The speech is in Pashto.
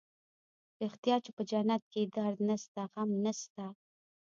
رښتيا چې په جنت کښې درد نسته غم نسته.